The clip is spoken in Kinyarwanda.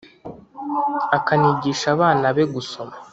akanigisha abana be gusoma